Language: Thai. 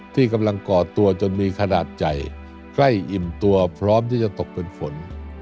ที่กำลังก่อตัวจนมีขนาดใหญ่ใกล้อิ่มตัวพร้อมที่จะตกเป็นฝน